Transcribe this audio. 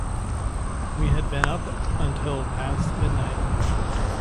We had been up until past midnight.